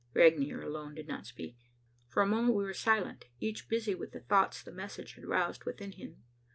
Regnier alone did not speak. For a moment we were silent, each busy with the thoughts the message had roused within him.